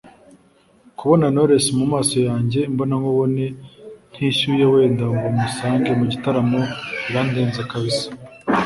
kubona Knowless mu maso yanjye imbonankubone ntishyuye wenda ngo musange mu gitaramo birandenze kabisa